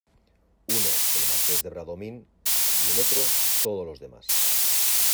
uno, el Marqués de Bradomín , y el otro todos los demás.